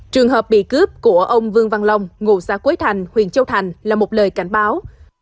trường hợp bị cướp của ông vương văn long ngồ xa quế thành huyền châu thành là một lời cảnh báo